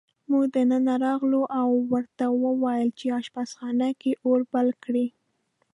موږ دننه راغلو، ما ورته وویل: په اشپزخانه کې اور بل کړئ.